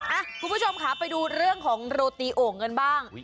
คุณผู้ชมค่ะไปดูเรื่องของโรตีโอ่งกันบ้าง